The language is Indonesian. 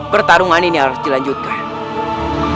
pertarungan ini harus dilanjutkan